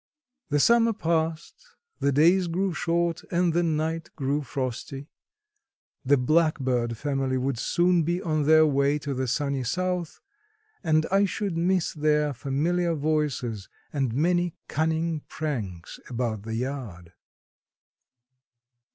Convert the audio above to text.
The summer passed; the days grew short and the night grew frosty. The blackbird family would soon be on their way to the sunny south, and I should miss their familiar voices and many cunning pranks about the yard.